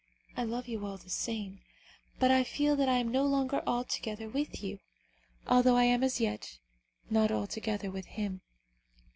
I love you all the same, but I feel that I am no longer altogether with you, although I am as yet not altogether with him."